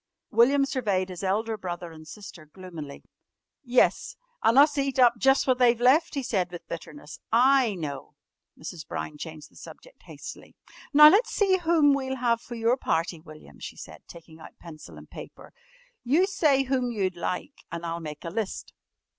William surveyed his elder brother and sister gloomily. "Yes, an' us eat up jus' what they've left," he said with bitterness. "I know!" Mrs. Brown changed the subject hastily. "Now let's see whom we'll have for your party, William," she said, taking out pencil and paper. "You say whom you'd like and I'll make a list."